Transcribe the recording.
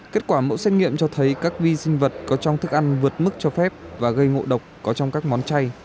kết quả mẫu xét nghiệm cho thấy các vi sinh vật có trong thức ăn vượt mức cho phép và gây ngộ độc có trong các món chay